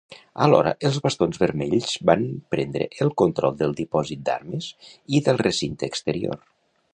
Alhora, els Bastons Vermells van prendre el control del dipòsit d'armes i del recinte exterior.